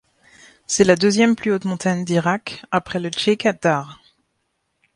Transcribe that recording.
C'est la deuxième plus haute montagne d'Irak après le Cheekha Dar.